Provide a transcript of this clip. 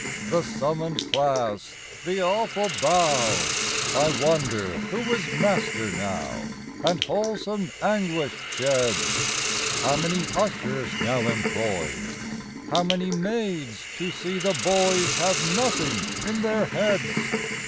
The summon'd class! the awful bow! I wonder who is master now And wholesome anguish sheds! How many ushers now employs, How many maids to see the boys Have nothing in their heads! V.